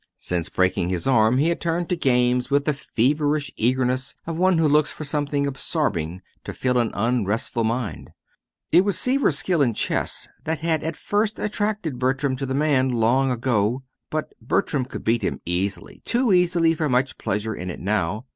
Since breaking his arm he had turned to games with the feverish eagerness of one who looks for something absorbing to fill an unrestful mind. It was Seaver's skill in chess that had at first attracted Bertram to the man long ago; but Bertram could beat him easily too easily for much pleasure in it now.